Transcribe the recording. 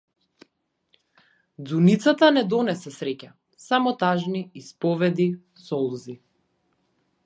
Ѕуницата не донесе среќа, само тажни исповеди, солзи.